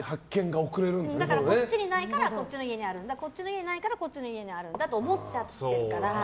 こっちにないからこっちの家にあるんだこっちに家にないからこっちにあるって思っちゃってるから。